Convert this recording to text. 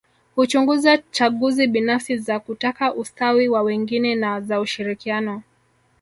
Huchunguza chaguzi binafsi za kutaka ustawi wa wengine na za ushirikiano